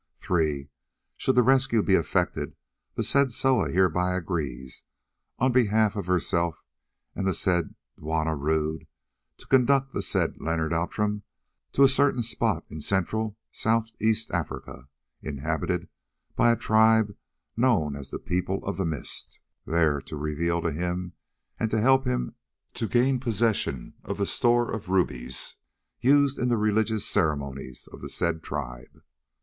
"III. Should the rescue be effected, the said Soa hereby agrees, on behalf of herself and the said Juanna Rodd, to conduct the said Leonard Outram to a certain spot in central South Eastern Africa, inhabited by a tribe known as the People of the Mist, there to reveal to him and to help him to gain possession of the store of rubies used in the religious ceremonies of the said tribe.